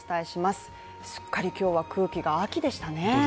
すっかり今日は空気が秋でしたね。